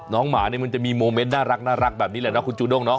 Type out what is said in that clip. หมาเนี่ยมันจะมีโมเมนต์น่ารักแบบนี้แหละนะคุณจูด้งเนาะ